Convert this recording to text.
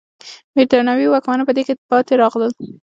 برېټانوي واکمنان په دې کې پاتې راغلل.